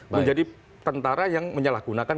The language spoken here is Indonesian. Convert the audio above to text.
menjadi tentara yang menyalahgunakan